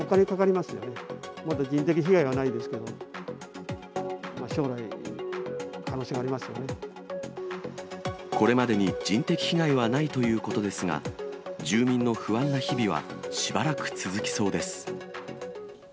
まだ人的被害はないですけど、これまでに人的被害はないということですが、住民の不安な日々はしばらく続きそうです。